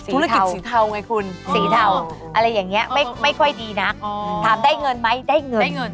ธุรกิจสีเทาไงคุณสีเทาอะไรอย่างนี้ไม่ค่อยดีนักถามได้เงินไหมได้เงินได้เงิน